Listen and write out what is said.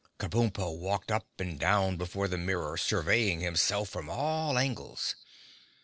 Kabumpo walked up and down before the mirror, surveying himself from all angles.